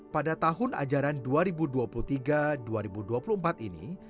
pada tahun ajaran dua ribu dua puluh tiga dua ribu dua puluh empat ini